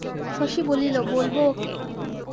শশী বলিল, বলব ওঁকে।